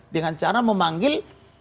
dengan cara memanggil